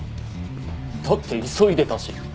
だって急いでたし。